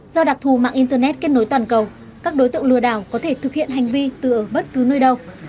do đặc thù mạng internet kết nối toàn cầu các đối tượng lừa đảo có thể thực hiện hành vi từ ở bất cứ nơi đâu